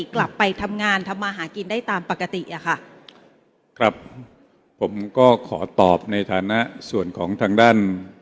กลับไปทำงานทำมาหากินได้ตามปกติอ่ะค่ะครับผมก็ขอตอบในฐานะส่วนของทางด้าน